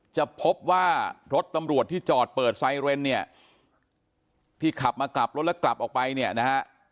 จะพบว่ารถตำรวจที่จอดเปิดไซเรนเนี่ยที่ขับมากลับรถแล้วกลับออกไปเนี่ยนะฮะ